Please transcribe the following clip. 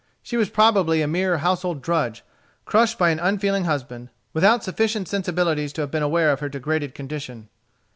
She was probably a mere household drudge, crushed by an unfeeling husband, without sufficient sensibilities to have been aware of her degraded condition.